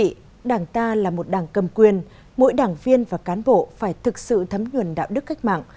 chào quý vị đảng ta là một đảng cầm quyền mỗi đảng viên và cán bộ phải thực sự thấm nhuận đạo đức cách mạng